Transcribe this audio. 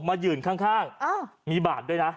ยืนข้างมีบาดด้วยนะ